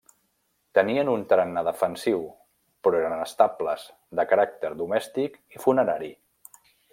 Tenien un tarannà defensiu, però eren estables, de caràcter domèstic i funerari.